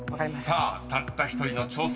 ［さあたった１人の挑戦］